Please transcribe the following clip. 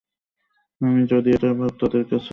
আমি যদি এটা তাদের কাছে নিয়ে যাই, আমাকে বোকা বলে ডাকবে।